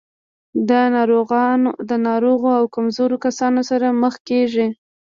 له ناروغو او کمزورو کسانو سره مخ کېږي.